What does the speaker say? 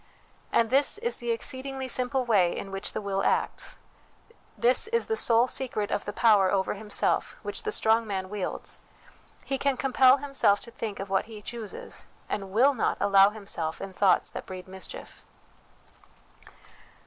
And this is the exceedingly simple way in which the will acts ; this is the sole secret of the power over himself which the strong man wields he can compel himself to think of what he chooses, and will not allow himself in thoughts that breed mischief.